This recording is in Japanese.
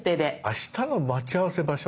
あしたの待ち合わせ場所？